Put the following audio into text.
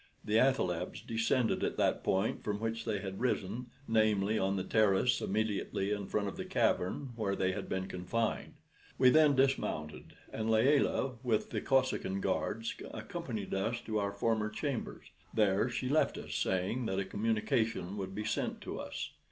The athalebs descended at that point from which they had risen namely, on the terrace immediately in front of the cavern where they had been confined. We then dismounted, and Layelah with the Kosekin guards accompanied us to our former chambers. There she left us, saying that a communication would be sent to us.